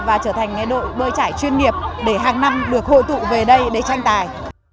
và trở thành đội bơi trải chuyên nghiệp để hàng năm được hội tụ về đây để tranh tài